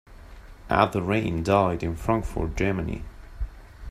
Abdel-Rahim died in Frankfurt, Germany.